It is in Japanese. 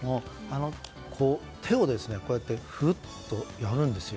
手をふっとやるんですよ。